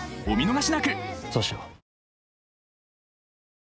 お見逃しなくそうしよう。